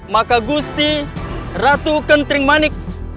maka gusti ratu kenting manik